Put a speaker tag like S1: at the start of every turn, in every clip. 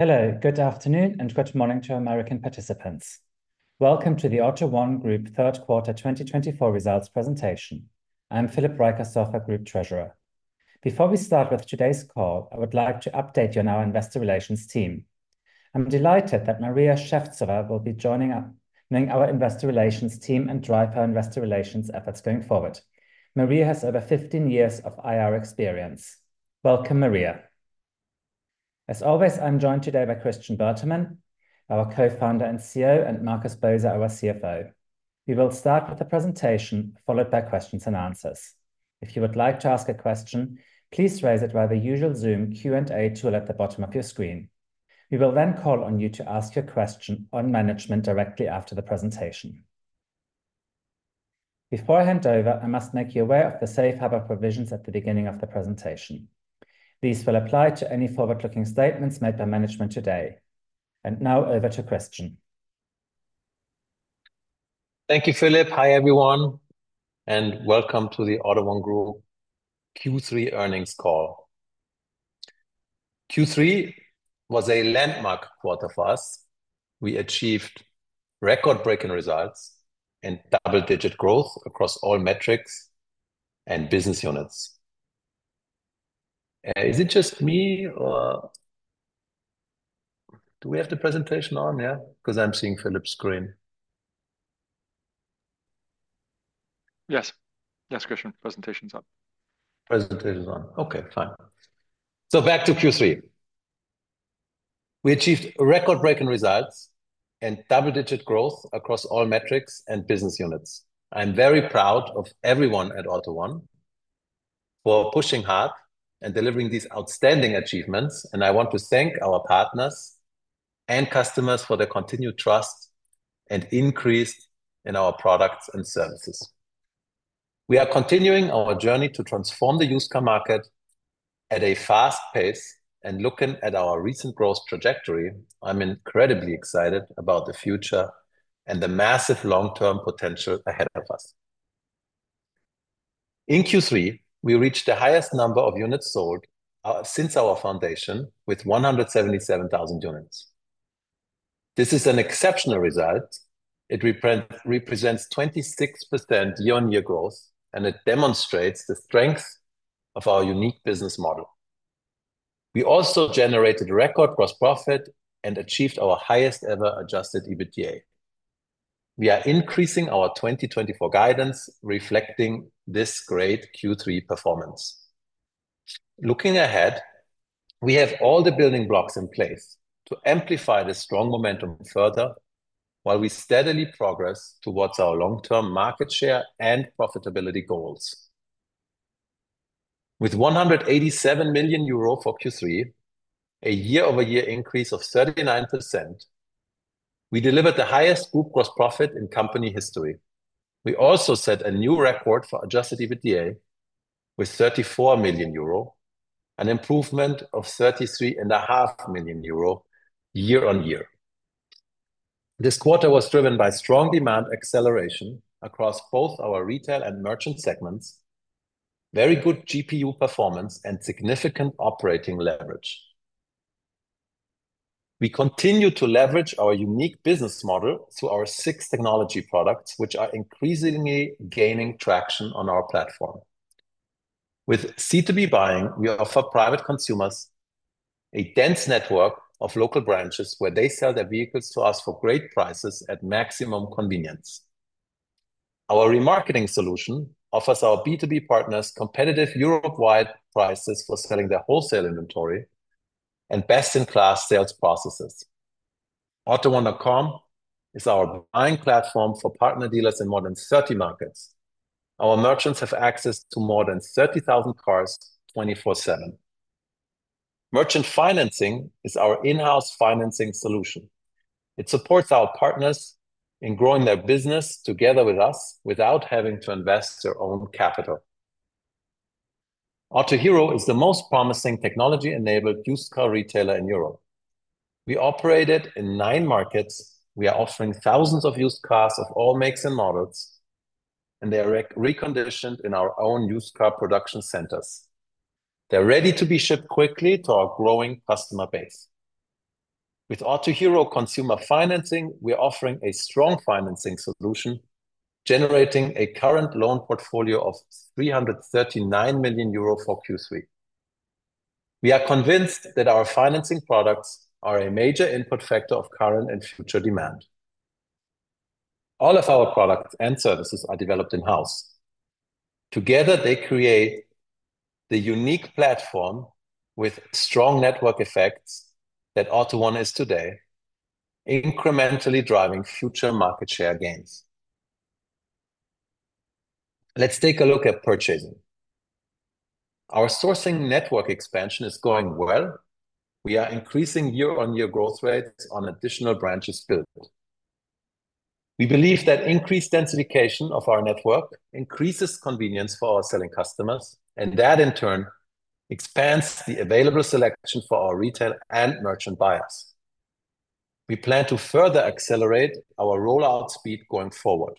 S1: Hello, good afternoon, and good morning to our American participants. Welcome to the AUTO1 Group third quarter 2024 results presentation. I'm Philip Reicherstorfer, Group Treasurer. Before we start with today's call, I would like to update you on our Investor Relations team. I'm delighted that Maria Shevtsova will be joining our Investor Relations team and drive our Investor Relations efforts going forward. Maria has over 15 years of IR experience. Welcome, Maria. As always, I'm joined today by Christian Bertermann, our Co-founder and CEO, and Markus Boser, our CFO. We will start with a presentation followed by questions and answers. If you would like to ask a question, please raise it via the usual Zoom Q&A tool at the bottom of your screen. We will then call on you to ask your question on management directly after the presentation. Before I hand over, I must make you aware of the Safe Harbor Provisions at the beginning of the presentation. These will apply to any forward-looking statements made by management today. And now, over to Christian.
S2: Thank you, Philip. Hi, everyone, and welcome to the AUTO1 Group Q3 earnings call. Q3 was a landmark quarter for us. We achieved record-breaking results and double-digit growth across all metrics and business units. Is it just me, or do we have the presentation on? Yeah, because I'm seeing Philip's screen.
S3: Yes. Yes, Christian, presentation's on.
S2: Presentation's on. Okay, fine. So back to Q3. We achieved record-breaking results and double-digit growth across all metrics and business units. I'm very proud of everyone at AUTO1 for pushing hard and delivering these outstanding achievements, and I want to thank our partners and customers for their continued trust and increase in our products and services. We are continuing our journey to transform the used car market at a fast pace, and looking at our recent growth trajectory, I'm incredibly excited about the future and the massive long-term potential ahead of us. In Q3, we reached the highest number of units sold since our foundation, with 177,000 units. This is an exceptional result. It represents 26% year-on-year growth, and it demonstrates the strength of our unique business model. We also generated record gross profit and achieved our highest-ever Adjusted EBITDA. We are increasing our 2024 guidance, reflecting this great Q3 performance. Looking ahead, we have all the building blocks in place to amplify the strong momentum further while we steadily progress towards our long-term market share and profitability goals. With 187 million euro for Q3, a year-over-year increase of 39%, we delivered the highest group gross profit in company history. We also set a new record for Adjusted EBITDA with 34 million euro, an improvement of 33.5 million euro year-on-year. This quarter was driven by strong demand acceleration across both our retail and merchant segments, very good GPU performance, and significant operating leverage. We continue to leverage our unique business model through our six technology products, which are increasingly gaining traction on our platform. With C2B buying, we offer private consumers a dense network of local branches where they sell their vehicles to us for great prices at maximum convenience. Our remarketing solution offers our B2B partners competitive Europe-wide prices for selling their wholesale inventory and best-in-class sales processes. AUTO1.com is our buying platform for partner dealers in more than 30 markets. Our merchants have access to more than 30,000 cars 24/7. Merchant Financing is our in-house financing solution. It supports our partners in growing their business together with us without having to invest their own capital. Autohero is the most promising technology-enabled used car retailer in Europe. We operate in nine markets. We are offering thousands of used cars of all makes and models, and they are reconditioned in our own used car production centers. They're ready to be shipped quickly to our growing customer base. With Autohero Consumer Financing, we are offering a strong financing solution, generating a current loan portfolio of 339 million euro for Q3. We are convinced that our financing products are a major input factor of current and future demand. All of our products and services are developed in-house. Together, they create the unique platform with strong network effects that AUTO1 is today, incrementally driving future market share gains. Let's take a look at purchasing. Our sourcing network expansion is going well. We are increasing year-on-year growth rates on additional branches built. We believe that increased densification of our network increases convenience for our selling customers, and that, in turn, expands the available selection for our retail and merchant buyers. We plan to further accelerate our rollout speed going forward.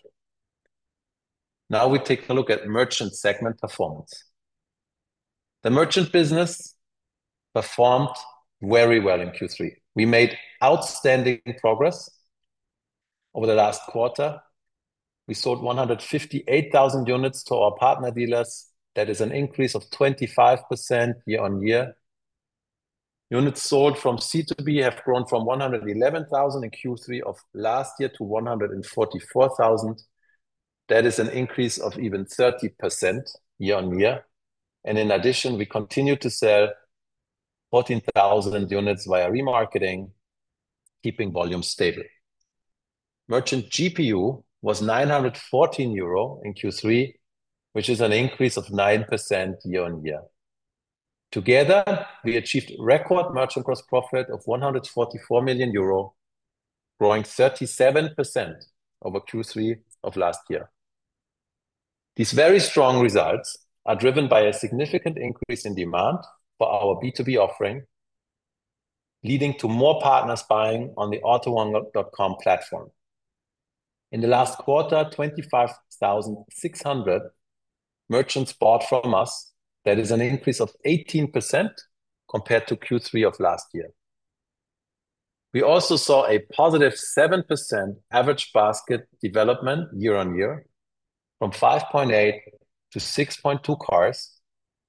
S2: Now, we take a look at merchant segment performance. The merchant business performed very well in Q3. We made outstanding progress over the last quarter. We sold 158,000 units to our partner dealers. That is an increase of 25% year-on-year. Units sold from C2B have grown from 111,000 in Q3 of last year to 144,000. That is an increase of even 30% year-on-year. And in addition, we continue to sell 14,000 units via remarketing, keeping volume stable. Merchant GPU was 914 euro in Q3, which is an increase of 9% year-on-year. Together, we achieved record merchant gross profit of 144 million euro, growing 37% over Q3 of last year. These very strong results are driven by a significant increase in demand for our B2B offering, leading to more partners buying on the AUTO1.com platform. In the last quarter, 25,600 merchants bought from us. That is an increase of 18% compared to Q3 of last year. We also saw a positive 7% average basket development year-on-year, from 5.8 to 6.2 cars,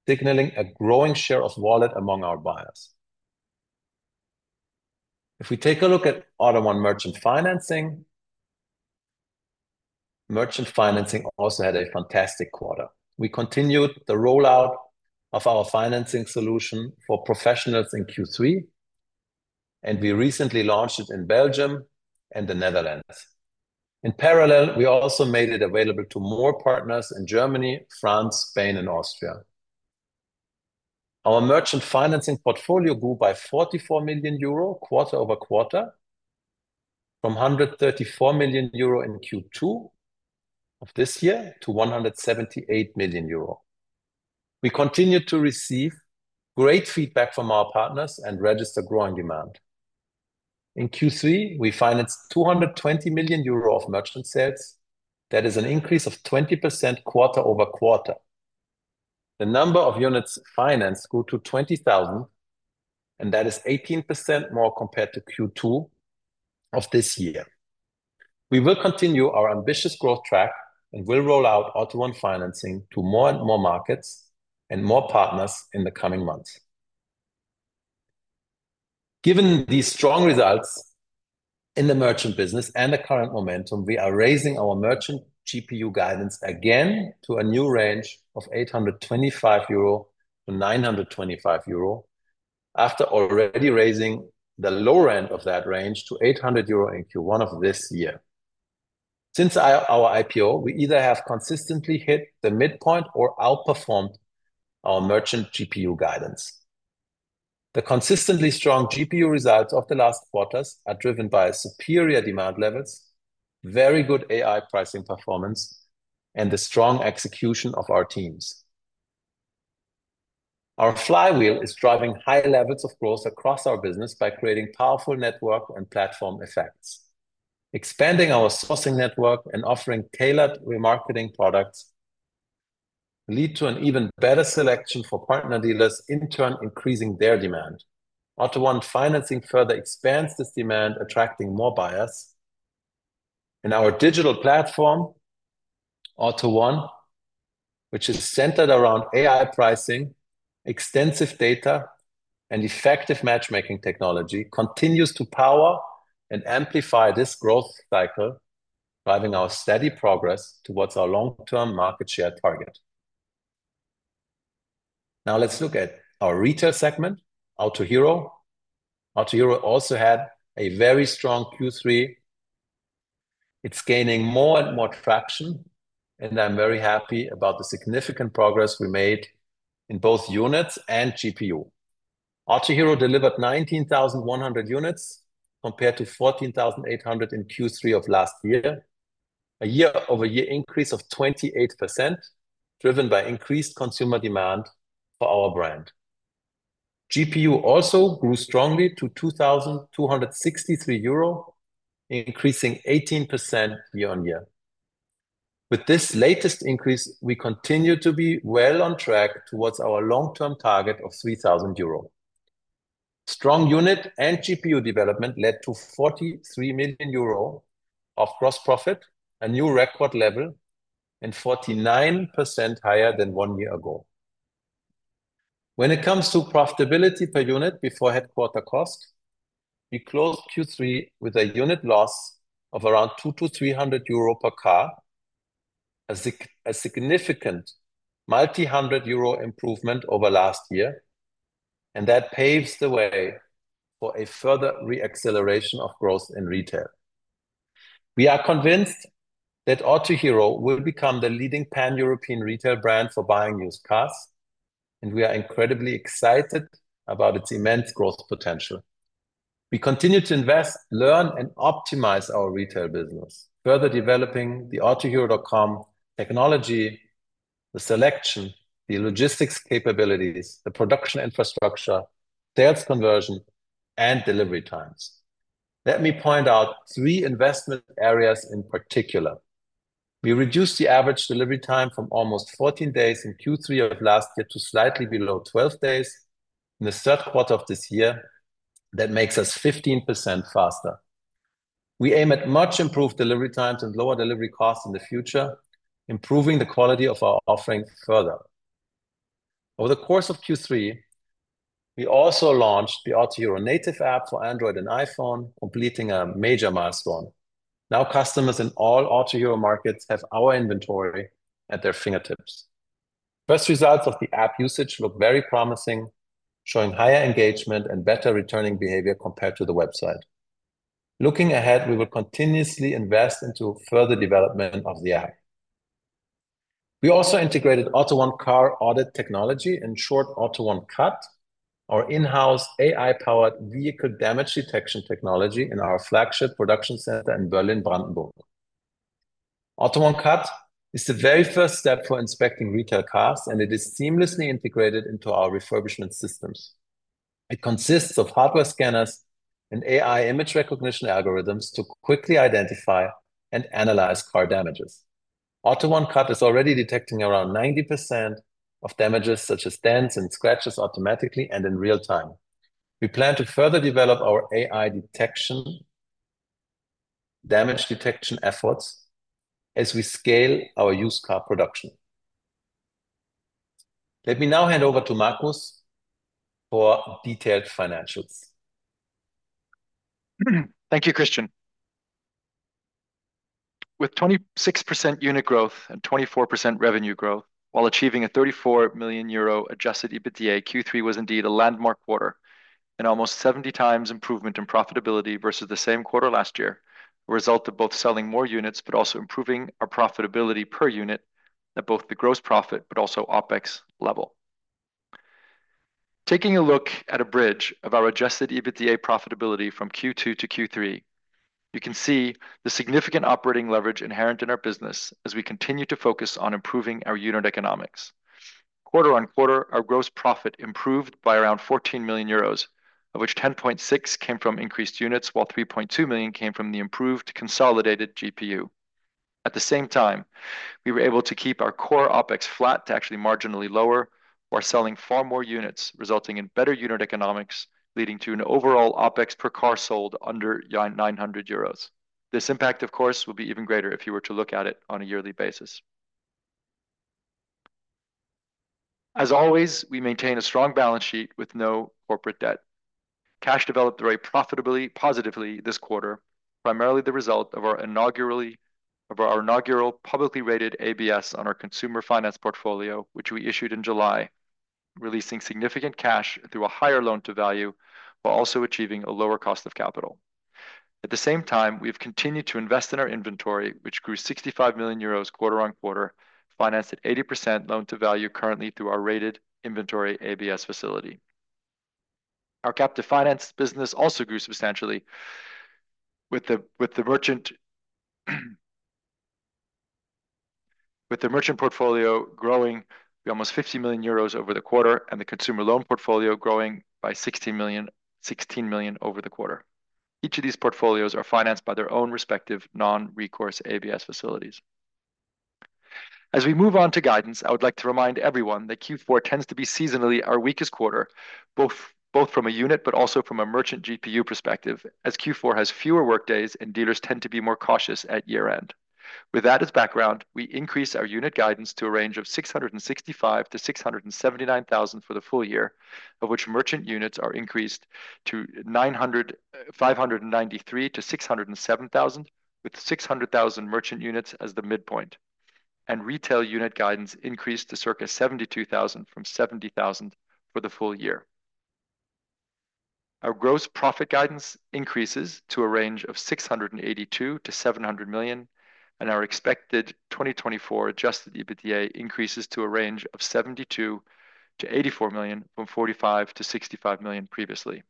S2: signaling a growing share of wallet among our buyers. If we take a look at AUTO1 Merchant Financing, Merchant Financing also had a fantastic quarter. We continued the rollout of our financing solution for professionals in Q3, and we recently launched it in Belgium and the Netherlands. In parallel, we also made it available to more partners in Germany, France, Spain, and Austria. Our Merchant Financing portfolio grew by 44 million euro quarter-over-quarter, from 134 million euro in Q2 of this year to 178 million euro. We continue to receive great feedback from our partners and register growing demand. In Q3, we financed 220 million euro of merchant sales. That is an increase of 20% quarter-over-quarter. The number of units financed grew to 20,000, and that is 18% more compared to Q2 of this year. We will continue our ambitious growth track and will roll out AUTO1 financing to more and more markets and more partners in the coming months. Given these strong results in the merchant business and the current momentum, we are raising our merchant GPU guidance again to a new range of 825-925 euro, after already raising the lower end of that range to 800 euro in Q1 of this year. Since our IPO, we either have consistently hit the midpoint or outperformed our merchant GPU guidance. The consistently strong GPU results of the last quarters are driven by superior demand levels, very good AI pricing performance, and the strong execution of our teams. Our flywheel is driving high levels of growth across our business by creating powerful network and platform effects. Expanding our sourcing network and offering tailored remarketing products lead to an even better selection for partner dealers, in turn increasing their demand. AUTO1 financing further expands this demand, attracting more buyers. In our digital platform, AUTO1, which is centered around AI pricing, extensive data, and effective matchmaking technology, continues to power and amplify this growth cycle, driving our steady progress towards our long-term market share target. Now, let's look at our retail segment, AUTOhero. AUTOhero also had a very strong Q3. It's gaining more and more traction, and I'm very happy about the significant progress we made in both units and GPU. AUTOhero delivered 19,100 units compared to 14,800 in Q3 of last year, a year-over-year increase of 28%, driven by increased consumer demand for our brand. GPU also grew strongly to 2,263 euro, increasing 18% year-on-year. With this latest increase, we continue to be well on track towards our long-term target of 3,000 euro. Strong unit and GPU development led to 43 million euro of gross profit, a new record level and 49% higher than one year ago. When it comes to profitability per unit before headquarter cost, we closed Q3 with a unit loss of around 200-300 euro per car, a significant 1,300 euro improvement over last year, and that paves the way for a further reacceleration of growth in retail. We are convinced that Autohero will become the leading pan-European retail brand for buying used cars, and we are incredibly excited about its immense growth potential. We continue to invest, learn, and optimize our retail business, further developing the Autohero.com technology, the selection, the logistics capabilities, the production infrastructure, sales conversion, and delivery times. Let me point out three investment areas in particular. We reduced the average delivery time from almost 14 days in Q3 of last year to slightly below 12 days in the third quarter of this year. That makes us 15% faster. We aim at much improved delivery times and lower delivery costs in the future, improving the quality of our offering further. Over the course of Q3, we also launched the Autohero native app for Android and iPhone, completing a major milestone. Now, customers in all Autohero markets have our inventory at their fingertips. First results of the app usage look very promising, showing higher engagement and better returning behavior compared to the website. Looking ahead, we will continuously invest into further development of the app. We also integrated AUTO1 Car Audit Technology, shorthand AUTO1 CAT, our in-house AI-powered vehicle damage detection technology in our flagship production center in Berlin-Brandenburg. AUTO1 CAT is the very first step for inspecting retail cars, and it is seamlessly integrated into our refurbishment systems. It consists of hardware scanners and AI image recognition algorithms to quickly identify and analyze car damages. AUTO1 CUT is already detecting around 90% of damages, such as dents and scratches, automatically and in real time. We plan to further develop our AI detection damage efforts as we scale our used car production. Let me now hand over to Markus for detailed financials.
S3: Thank you, Christian. With 26% unit growth and 24% revenue growth, while achieving a 34 million euro Adjusted EBITDA, Q3 was indeed a landmark quarter and almost 70 times improvement in profitability versus the same quarter last year, a result of both selling more units but also improving our profitability per unit at both the gross profit but also OpEx level. Taking a look at a bridge of our Adjusted EBITDA profitability from Q2 to Q3, you can see the significant operating leverage inherent in our business as we continue to focus on improving our unit economics. Quarter on quarter, our gross profit improved by around 14 million euros, of which 10.6 million came from increased units, while 3.2 million came from the improved consolidated GPU. At the same time, we were able to keep our core OpEx flat to actually marginally lower while selling far more units, resulting in better unit economics, leading to an overall OpEx per car sold under 900 euros. This impact, of course, will be even greater if you were to look at it on a yearly basis. As always, we maintain a strong balance sheet with no corporate debt. Cash developed very positively this quarter, primarily the result of our inaugural publicly rated ABS on our consumer finance portfolio, which we issued in July, releasing significant cash through a higher loan-to-value, while also achieving a lower cost of capital. At the same time, we have continued to invest in our inventory, which grew 65 million euros quarter on quarter, financed at 80% loan-to-value currently through our rated inventory ABS facility. Our captive finance business also grew substantially, with the merchant portfolio growing by almost 50 million euros over the quarter and the consumer loan portfolio growing by 16 million over the quarter. Each of these portfolios are financed by their own respective non-recourse ABS facilities. As we move on to guidance, I would like to remind everyone that Q4 tends to be seasonally our weakest quarter, both from a unit but also from a merchant GPU perspective, as Q4 has fewer workdays and dealers tend to be more cautious at year-end. With that as background, we increased our unit guidance to a range of 665,000-679,000 for the full year, of which merchant units are increased to 593,000-607,000, with 600,000 merchant units as the midpoint, and retail unit guidance increased to circa 72,000 from 70,000 for the full year. Our gross profit guidance increases to a range of 682 million-700, million, and our expected 2024 Adjusted EBITDA increases to a range of 72 million-84 million, from 45 million-65 million previously.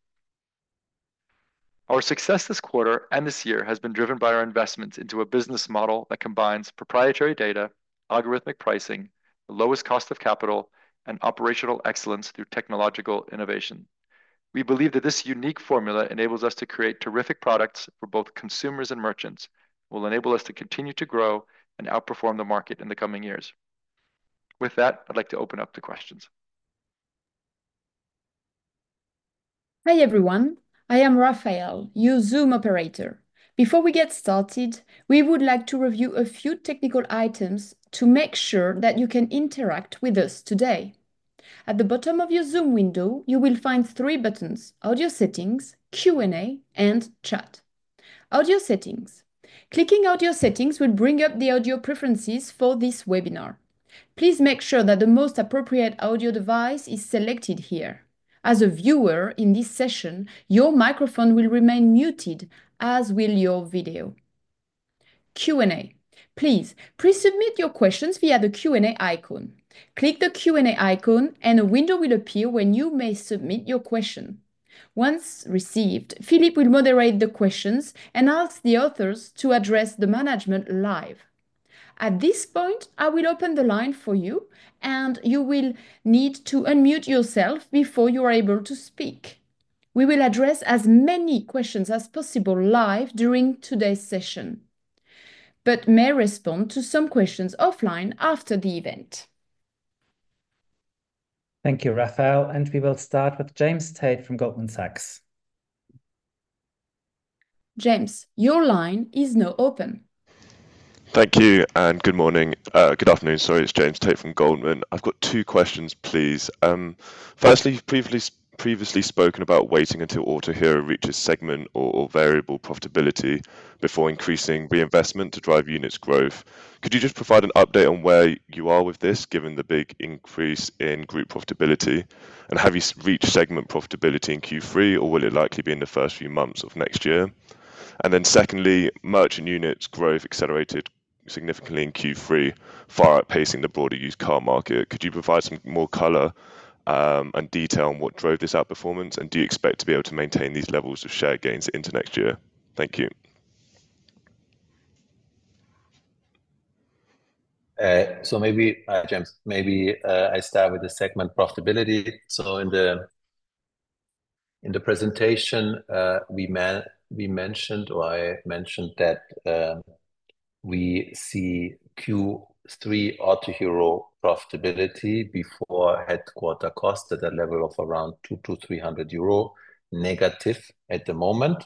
S3: Our success this quarter and this year has been driven by our investments into a business model that combines proprietary data, algorithmic pricing, the lowest cost of capital, and operational excellence through technological innovation. We believe that this unique formula enables us to create terrific products for both consumers and merchants and will enable us to continue to grow and outperform the market in the coming years. With that, I'd like to open up to questions.
S4: Hi everyone. I am Raphael, your Zoom operator. Before we get started, we would like to review a few technical items to make sure that you can interact with us today. At the bottom of your Zoom window, you will find three buttons: Audio Settings, Q&A, and Chat. Audio Settings. Clicking Audio Settings will bring up the audio preferences for this webinar. Please make sure that the most appropriate audio device is selected here. As a viewer in this session, your microphone will remain muted, as will your video. Q&A. Please pre-submit your questions via the Q&A icon. Click the Q&A icon, and a window will appear when you may submit your question. Once received, Philip will moderate the questions and ask the authors to address the management live. At this point, I will open the line for you, and you will need to unmute yourself before you are able to speak. We will address as many questions as possible live during today's session, but may respond to some questions offline after the event.
S1: Thank you, Raphael, and we will start with James Tate from Goldman Sachs.
S4: James, your line is now open.
S5: Thank you, and good morning. Good afternoon. Sorry, it's James Tate from Goldman. I've got two questions, please. Firstly, you've previously spoken about waiting until Autohero reaches segment or variable profitability before increasing reinvestment to drive units growth. Could you just provide an update on where you are with this, given the big increase in group profitability? And have you reached segment profitability in Q3, or will it likely be in the first few months of next year? And then secondly, merchant units growth accelerated significantly in Q3, far outpacing the broader used car market. Could you provide some more color and detail on what drove this outperformance, and do you expect to be able to maintain these levels of share gains into next year? Thank you.
S2: So maybe, James, maybe I start with the segment profitability. In the presentation, we mentioned, or I mentioned, that we see Q3 AUTOhero profitability before headquarter cost at a level of around 200-300 euro negative at the moment,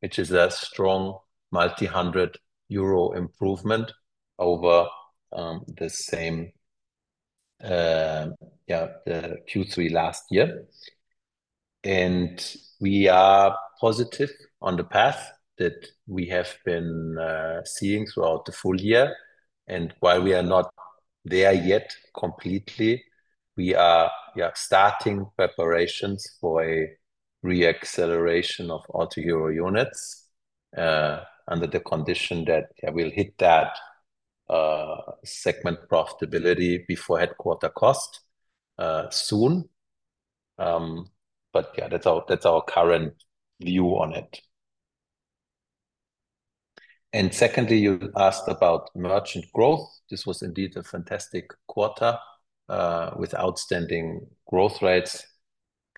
S2: which is a strong multi-hundred euro improvement over the same, yeah, the Q3 last year. We are positive on the path that we have been seeing throughout the full year. While we are not there yet completely, we are starting preparations for a reacceleration of AUTOhero units under the condition that we'll hit that segment profitability before headquarter cost soon. Yeah, that's our current view on it. Secondly, you asked about merchant growth. This was indeed a fantastic quarter with outstanding growth rates.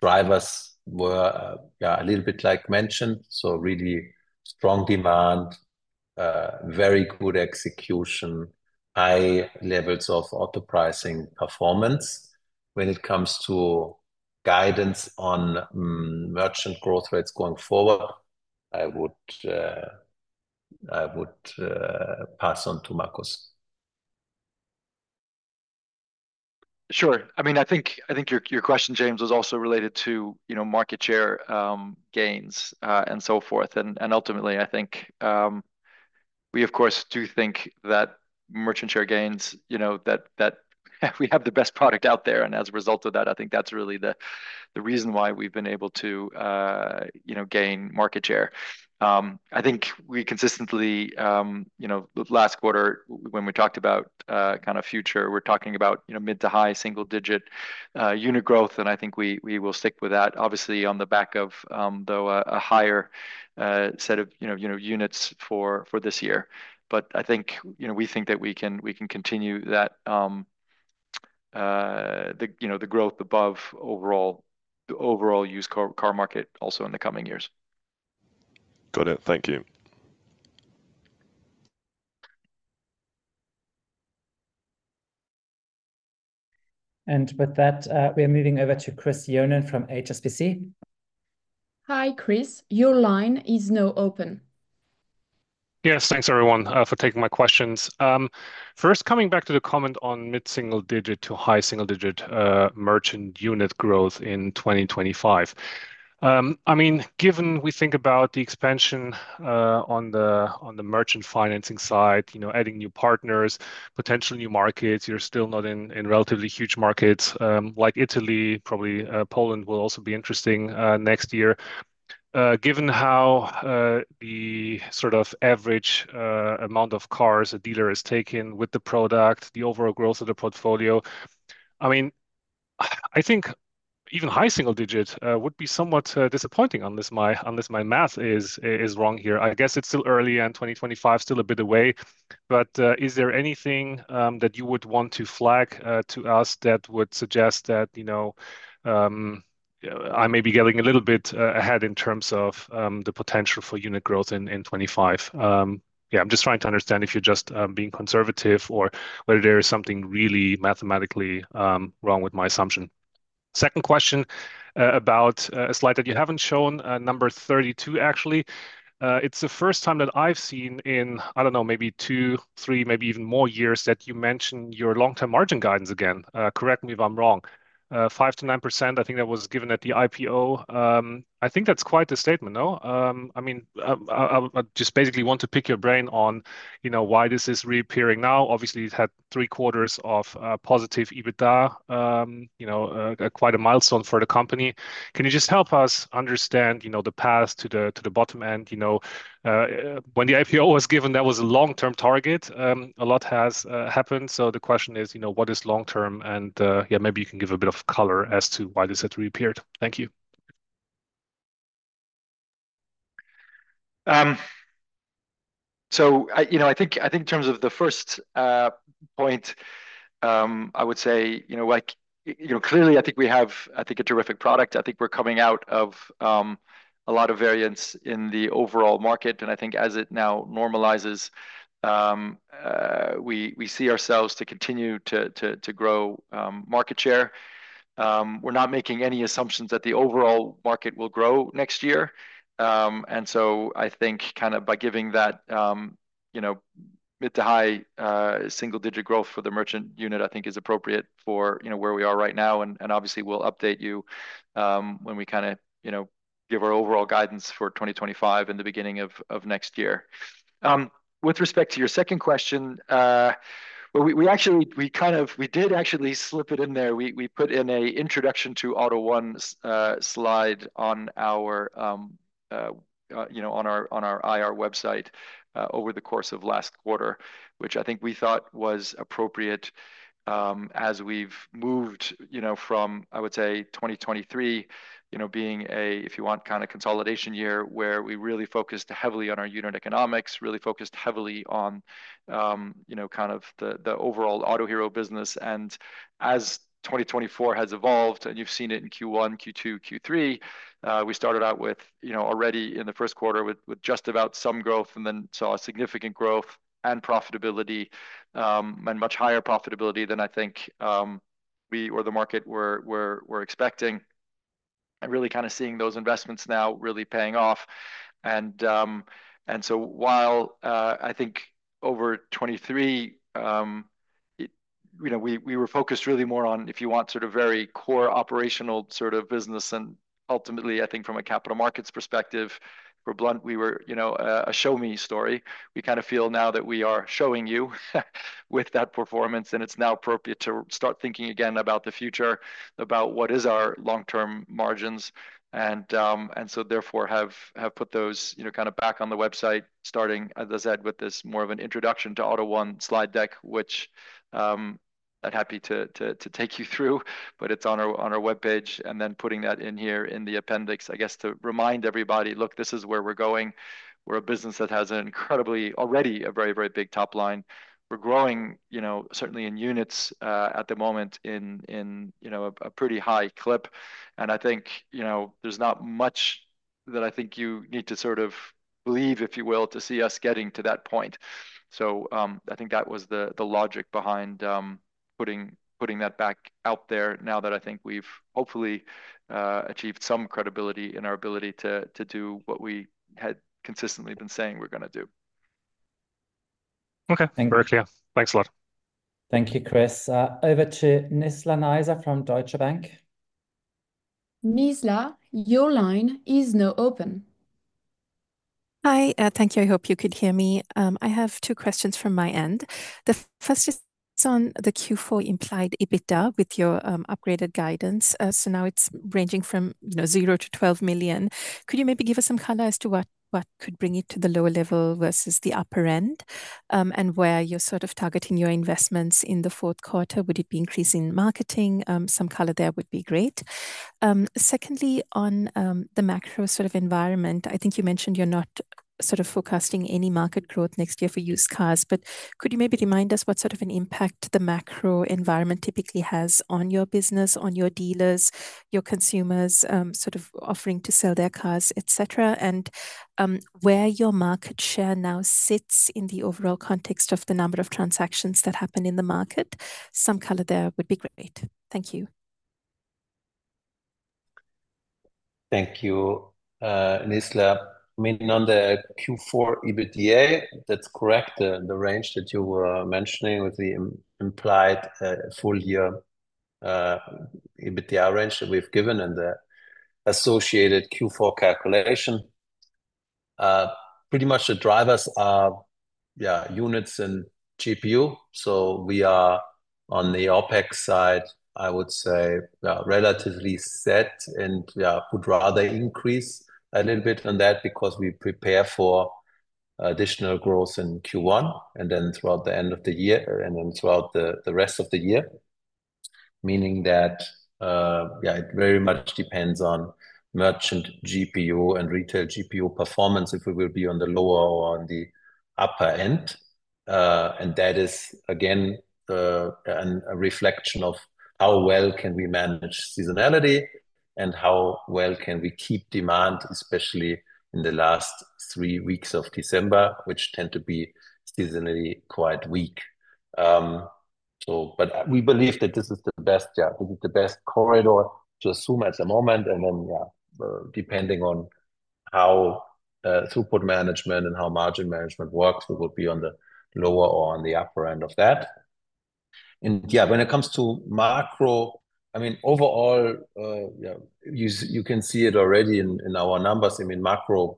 S2: Drivers were a little bit like mentioned, so really strong demand, very good execution, high levels of auto pricing performance. When it comes to guidance on merchant growth rates going forward, I would pass on to Markus.
S3: Sure. I mean, I think your question, James, was also related to market share gains and so forth. And ultimately, I think we, of course, do think that merchant share gains, that we have the best product out there. And as a result of that, I think that's really the reason why we've been able to gain market share. I think we consistently, last quarter, when we talked about kind of future, we're talking about mid to high single-digit unit growth. And I think we will stick with that, obviously, on the back of a higher set of units for this year. But I think we think that we can continue the growth above the overall used car market also in the coming years.
S5: Got it. Thank you.
S1: And with that, we are moving over to Christopher Johnen from HSBC.
S4: Hi, Christopher. Your line is now open.
S6: Yes, thanks everyone for taking my questions. First, coming back to the comment on mid-single-digit to high single-digit merchant unit growth in 2025. I mean, given we think about the expansion on the Merchant Financing side, adding new partners, potential new markets, you're still not in relatively huge markets like Italy. Probably Poland will also be interesting next year. Given how the sort of average amount of cars a dealer has taken with the product, the overall growth of the portfolio, I mean, I think even high single-digit would be somewhat disappointing unless my math is wrong here. I guess it's still early and 2025 still a bit away. But is there anything that you would want to flag to us that would suggest that I may be getting a little bit ahead in terms of the potential for unit growth in 2025?Yeah, I'm just trying to understand if you're just being conservative or whether there is something really mathematically wrong with my assumption. Second question about a slide that you haven't shown, number 32, actually. It's the first time that I've seen in, I don't know, maybe two, three, maybe even more years that you mention your long-term margin guidance again. Correct me if I'm wrong. 5%-9%, I think that was given at the IPO. I think that's quite the statement, no? I mean, I just basically want to pick your brain on why this is reappearing now. Obviously, it had three quarters of positive EBITDA, quite a milestone for the company. Can you just help us understand the path to the bottom end? When the IPO was given, that was a long-term target. A lot has happened. So the question is, what is long-term? And yeah, maybe you can give a bit of color as to why this had reappeared. Thank you.
S3: So I think in terms of the first point, I would say, clearly, I think we have a terrific product. I think we're coming out of a lot of variance in the overall market. And I think as it now normalizes, we see ourselves to continue to grow market share. We're not making any assumptions that the overall market will grow next year. And so I think kind of by giving that mid- to high single-digit growth for the Merchant segment, I think is appropriate for where we are right now. Obviously, we'll update you when we kind of give our overall guidance for 2025 in the beginning of next year. With respect to your second question, we kind of did actually slip it in there. We put in an introduction to AUTO1 slide on our IR website over the course of last quarter, which I think we thought was appropriate as we've moved from, I would say, 2023 being a, if you want, kind of consolidation year where we really focused heavily on our unit economics, really focused heavily on kind of the overall Autohero business, as 2024 has evolved, and you've seen it in Q1, Q2, Q3, we started out with already in the first quarter with just about some growth and then saw significant growth and profitability, and much higher profitability than I think we or the market were expecting. And really kind of seeing those investments now really paying off. And so while I think over 2023, we were focused really more on, if you want, sort of very core operational sort of business. And ultimately, I think from a capital markets perspective, we were a show-me story. We kind of feel now that we are showing you with that performance, and it's now appropriate to start thinking again about the future, about what is our long-term margins. And so therefore, have put those kind of back on the website, starting, as I said, with this more of an introduction to AUTO1 slide deck, which I'm happy to take you through, but it's on our webpage. And then putting that in here in the appendix, I guess, to remind everybody, look, this is where we're going. We're a business that has an incredibly, already a very, very big top line. We're growing certainly in units at the moment in a pretty high clip. I think there's not much that I think you need to sort of believe, if you will, to see us getting to that point. So I think that was the logic behind putting that back out there now that I think we've hopefully achieved some credibility in our ability to do what we had consistently been saying we're going to do.
S6: Okay. Thanks, Luke. Thanks a lot.
S1: Thank you, Chris. Over to Nizla Naizer from Deutsche Bank.
S4: Nizla, your line is now open.
S7: Hi, thank you. I hope you could hear me. I have two questions from my end. The first is on the Q4 implied EBITDA with your upgraded guidance. So now it's ranging from 0 to 12 million. Could you maybe give us some color as to what could bring it to the lower level versus the upper end, and where you're sort of targeting your investments in the fourth quarter? Would it be increasing marketing? Some color there would be great. Secondly, on the macro sort of environment, I think you mentioned you're not sort of forecasting any market growth next year for used cars. But could you maybe remind us what sort of an impact the macro environment typically has on your business, on your dealers, your consumers sort of offering to sell their cars, etc., and where your market share now sits in the overall context of the number of transactions that happen in the market? Some color there would be great. Thank you.
S2: Thank you, Nizla. I mean, on the Q4 EBITDA, that's correct, the range that you were mentioning with the implied full-year EBITDA range that we've given and the associated Q4 calculation. Pretty much the drivers are units and GPU. So we are on the OpEx side, I would say, relatively set and would rather increase a little bit on that because we prepare for additional growth in Q1 and then throughout the end of the year and then throughout the rest of the year. Meaning that it very much depends on merchant GPU and retail GPU performance if we will be on the lower or on the upper end. And that is, again, a reflection of how well can we manage seasonality and how well can we keep demand, especially in the last three weeks of December, which tend to be seasonally quite weak. But we believe that this is the best, yeah, this is the best corridor to assume at the moment, and then, yeah, depending on how throughput management and how margin management works, we will be on the lower or on the upper end of that, and yeah, when it comes to macro, I mean, overall, you can see it already in our numbers. I mean, macro,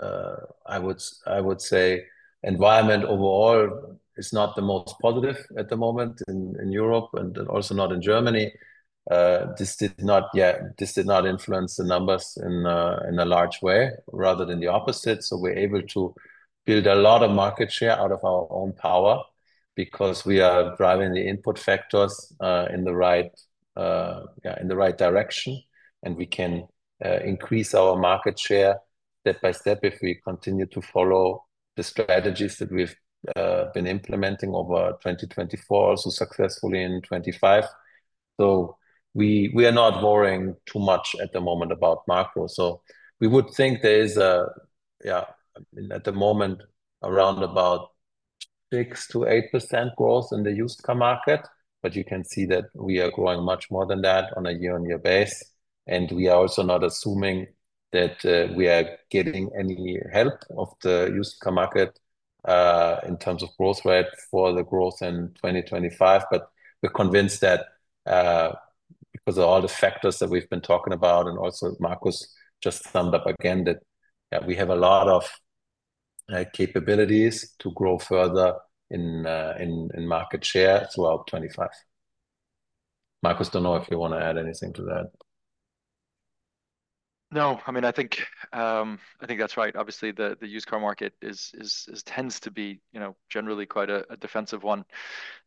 S2: I would say environment overall is not the most positive at the moment in Europe and also not in Germany. This did not influence the numbers in a large way rather than the opposite, so we're able to build a lot of market share out of our own power because we are driving the input factors in the right direction. We can increase our market share step by step if we continue to follow the strategies that we've been implementing over 2024, also successfully in 2025. So we are not worrying too much at the moment about macro. So we would think there is, yeah, at the moment, around about 6%-8% growth in the used car market. But you can see that we are growing much more than that on a year-on-year base. We are also not assuming that we are getting any help of the used car market in terms of growth rate for the growth in 2025. But we're convinced that because of all the factors that we've been talking about and also Markus just summed up again that we have a lot of capabilities to grow further in market share throughout 2025. Markus, don't know if you want to add anything to that.
S3: No, I mean, I think that's right. Obviously, the used car market tends to be generally quite a defensive one.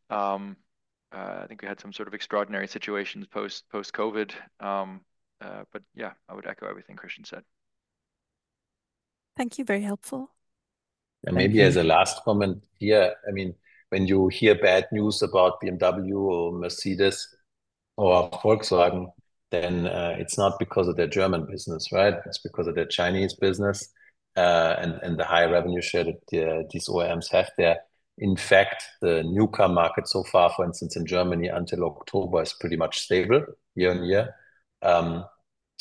S3: I think we had some sort of extraordinary situations post-COVID. But yeah, I would echo everything Christian said.
S7: Thank you. Very helpful.
S2: And maybe as a last comment here, I mean, when you hear bad news about BMW or Mercedes or Volkswagen, then it's not because of their German business, right? It's because of their Chinese business and the high revenue share that these OEMs have there. In fact, the new car market so far, for instance, in Germany until October is pretty much stable year on year.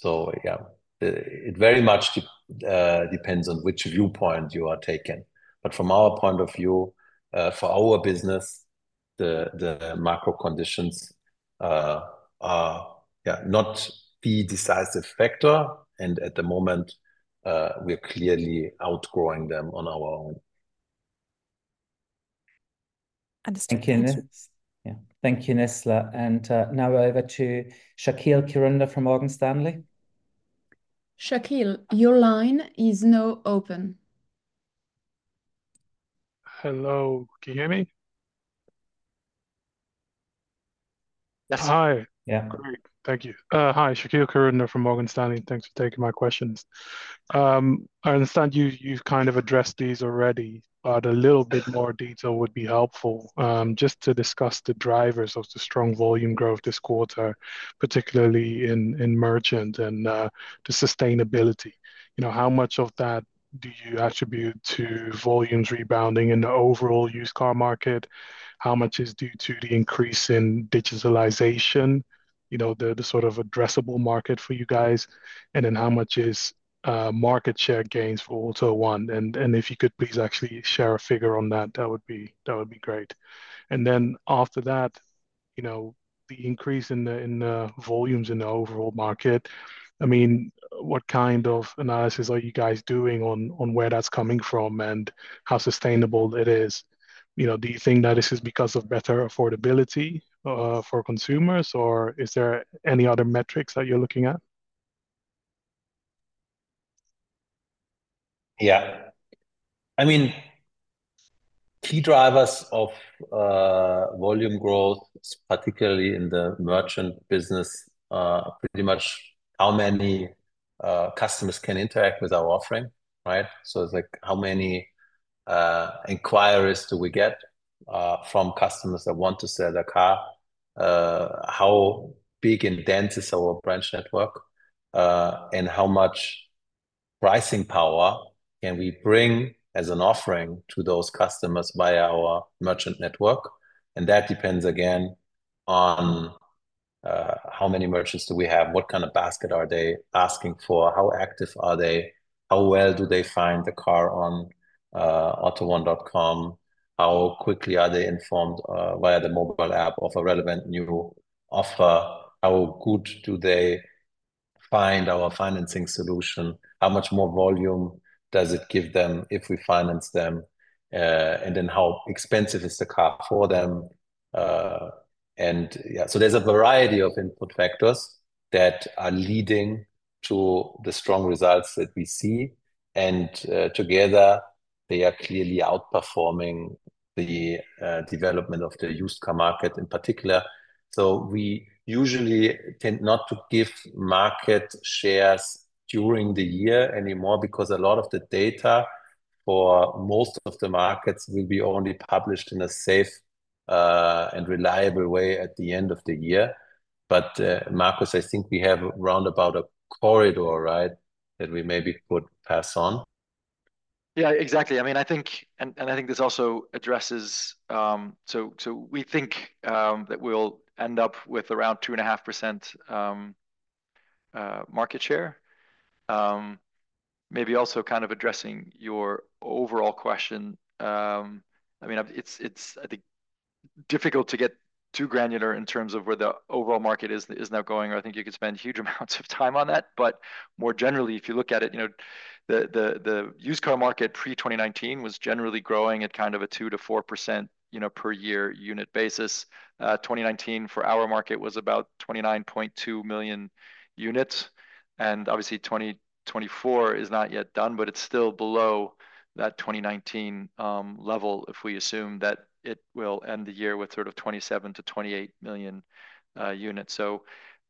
S2: So yeah, it very much depends on which viewpoint you are taking. But from our point of view, for our business, the macro conditions are not the decisive factor. And at the moment, we're clearly outgrowing them on our own.
S1: Thank you, Nizla. And now we're over to Shaquille Kirunda from Morgan Stanley.
S4: Shaquille, your line is now open.
S8: Hello. Can you hear me?
S2: Yes. Hi. Yeah. Great.
S8: Thank you. Hi, Shaquille Kirunda from Morgan Stanley. Thanks for taking my questions. I understand you've kind of addressed these already, but a little bit more detail would be helpful just to discuss the drivers of the strong volume growth this quarter, particularly in merchant and the sustainability. How much of that do you attribute to volumes rebounding in the overall used car market? How much is due to the increase in digitalization, the sort of addressable market for you guys? And then how much is market share gains for AUTO1? And if you could please actually share a figure on that, that would be great. And then after that, the increase in the volumes in the overall market, I mean, what kind of analysis are you guys doing on where that's coming from and how sustainable it is? Do you think that this is because of better affordability for consumers, or is there any other metrics that you're looking at?
S2: Yeah. I mean, key drivers of volume growth, particularly in the merchant business, pretty much how many customers can interact with our offering, right? So it's like how many inquiries do we get from customers that want to sell a car? How big and dense is our branch network? And how much pricing power can we bring as an offering to those customers via our merchant network? And that depends again on how many merchants do we have? What kind of basket are they asking for? How active are they? How well do they find the car on AUTO1.com? How quickly are they informed via the mobile app of a relevant new offer? How good do they find our financing solution? How much more volume does it give them if we finance them? And then how expensive is the car for them? And yeah, so there's a variety of input factors that are leading to the strong results that we see. And together, they are clearly outperforming the development of the used car market in particular. So we usually tend not to give market shares during the year anymore because a lot of the data for most of the markets will be only published in a safe and reliable way at the end of the year. But Markus, I think we have round about a corridor, right, that we maybe could pass on. Yeah, exactly.
S3: I mean, I think, and I think this also addresses, so we think that we'll end up with around 2.5% market share. Maybe also kind of addressing your overall question. I mean, it's difficult to get too granular in terms of where the overall market is now going. I think you could spend huge amounts of time on that, but more generally, if you look at it, the used car market pre-2019 was generally growing at kind of a 2%-4% per year unit basis. 2019 for our market was about 29.2 million units, and obviously, 2024 is not yet done, but it's still below that 2019 level if we assume that it will end the year with sort of 27-28 million units. So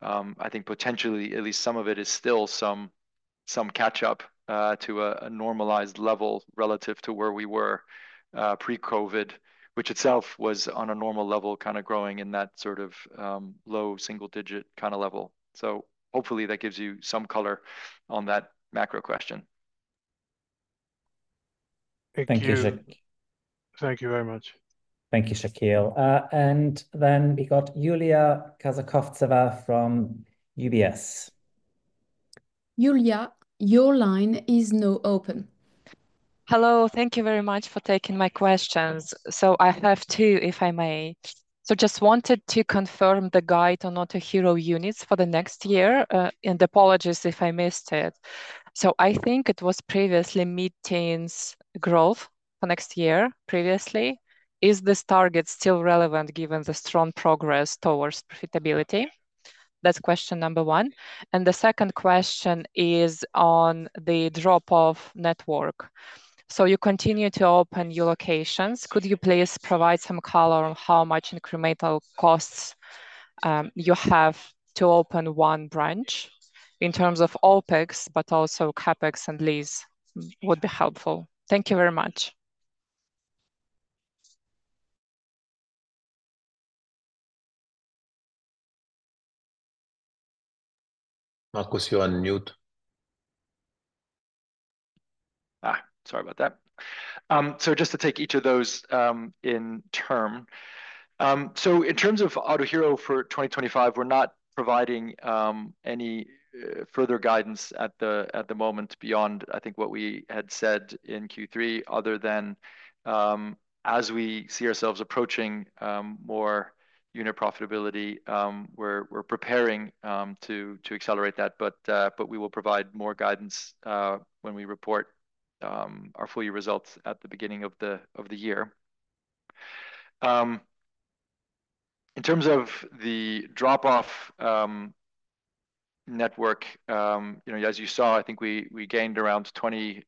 S3: I think potentially, at least some of it is still some catch-up to a normalized level relative to where we were pre-COVID, which itself was on a normal level kind of growing in that sort of low single-digit kind of level. So hopefully that gives you some color on that macro question.
S8: Thank you. Thank you very much.
S1: Thank you, Shaquille. And then we got Yulia Kazakovtseva from UBS.
S4: Yulia, your line is now open.
S9: Hello. Thank you very much for taking my questions. So I have two, if I may. So just wanted to confirm the guide on Autohero units for the next year. And apologies if I missed it. So I think it was previously meeting growth for next year previously. Is this target still relevant given the strong progress towards profitability? That's question number one. And the second question is on the drop-off network. You continue to open your locations. Could you please provide some color on how much incremental costs you have to open one branch in terms of OpEx, but also CapEx and lease would be helpful? Thank you very much.
S2: Markus, you are on mute.
S3: Sorry about that. Just to take each of those in turn. In terms of Autohero for 2025, we're not providing any further guidance at the moment beyond, I think, what we had said in Q3, other than as we see ourselves approaching more unit profitability, we're preparing to accelerate that. But we will provide more guidance when we report our full-year results at the beginning of the year. In terms of the drop-off network, as you saw, I think we gained around 20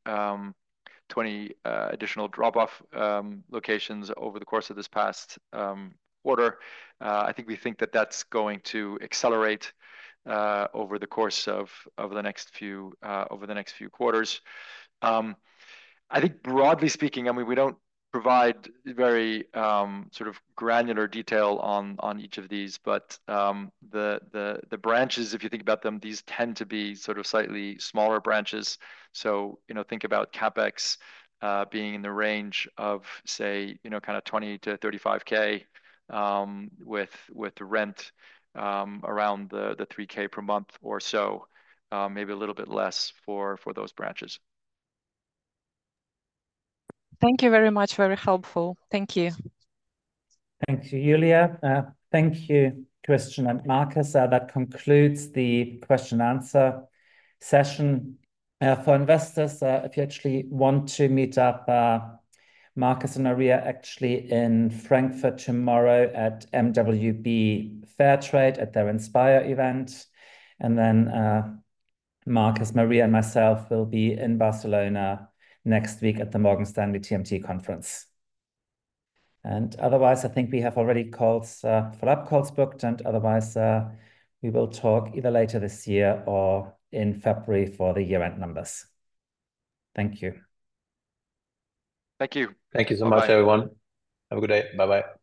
S3: additional drop-off locations over the course of this past quarter. I think we think that that's going to accelerate over the course of the next few quarters. I think broadly speaking, I mean, we don't provide very sort of granular detail on each of these, but the branches, if you think about them, these tend to be sort of slightly smaller branches. So think about CapEx being in the range of, say, kind of 20,000-35,000 with rent around the 3,000 per month or so, maybe a little bit less for those branches.
S9: Thank you very much. Very helpful. Thank you.
S1: Thank you, Yulia. Thank you, Christian and Markus. That concludes the question-and-answer session. For investors, if you actually want to meet up, Markus and Maria actually in Frankfurt tomorrow at MWB Fairtrade at their Inspire event, and then Markus, Maria, and myself will be in Barcelona next week at the Morgan Stanley TMT conference. Otherwise, I think we have already called for up calls booked. Otherwise, we will talk either later this year or in February for the year-end numbers. Thank you.
S3: Thank you.
S2: Thank you so much, everyone. Have a good day. Bye-bye.